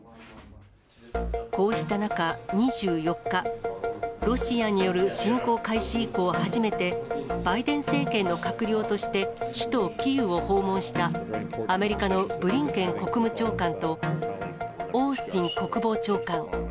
こうした中、２４日、ロシアによる侵攻開始以降初めて、バイデン政権の閣僚として、首都キーウを訪問した、アメリカのブリンケン国務長官と、オースティン国防長官。